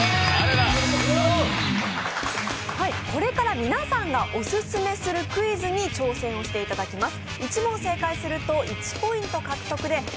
これから皆さんがオススメするクイズに挑戦していただきます。